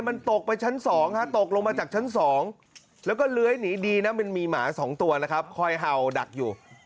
มันตกไปชั้น๒ตกลงมาจากชั้น๒แล้วก็เลื้อยหนีดีนะมันมีหมา๒ตัวนะครับคอยเห่าดักอยู่